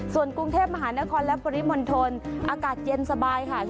ส่วนกรุงเทพมหานครและปริมณฑลอากาศเย็นสบายค่ะ